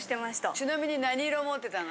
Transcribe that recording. ちなみに何色持ってたの？